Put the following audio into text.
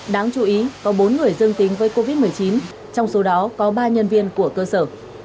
đáng chú ý có bốn người dương tính với covid một mươi chín trong số đó có ba nhân viên của cơ sở